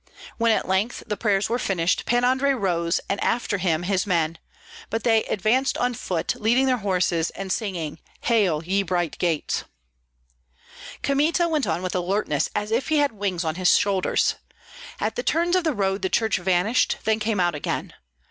When at length the prayers were finished Pan Andrei rose, and after him his men; but they advanced on foot, leading their horses and singing: "Hail, ye bright gates!" Kmita went on with alertness as if he had wings on his shoulders. At the turns of the road the church vanished, then came out again.